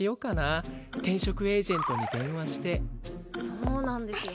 そうなんですよ